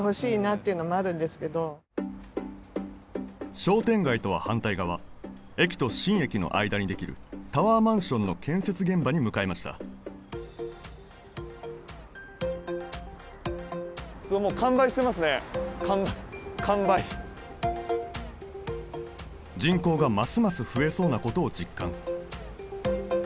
商店街とは反対側駅と新駅の間にできるタワーマンションの建設現場に向かいました人口がますます増えそうなことを実感